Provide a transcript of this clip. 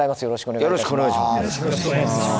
よろしくお願いします。